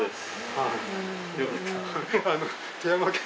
はい。